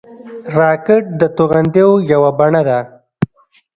راکټ د توغندیو یوه بڼه ده